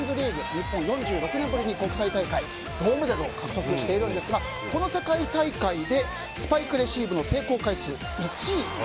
日本、４６年ぶりに国際大会、銅メダルを獲得しているんですがこの世界大会でスパイクレシーブの成功回数１位。